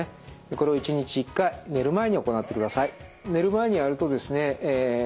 これを１日１回寝る前に行ってください。